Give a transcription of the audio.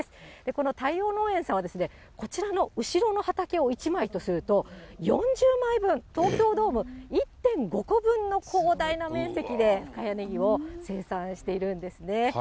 この太陽農園さんは、こちらの後ろの畑を１枚とすると、４０枚分、東京ドーム１．５個分の広大な面積で、深谷ねぎを生産しているんですね。